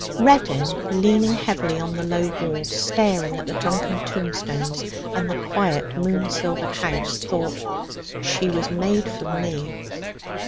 Reddin, leaning heavily on the low wall, staring at the drunken tombstones and the quiet moon silvered house, thought: 'She was made for me.'